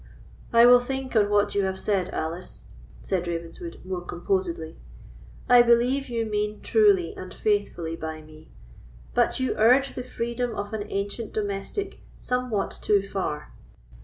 "I will think on what you have said, Alice," said Ravenswood, more composedly. "I believe you mean truly and faithfully by me, but you urge the freedom of an ancient domestic somewhat too far.